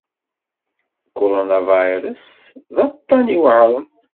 Kurunavirus d aṭṭan iweɛren.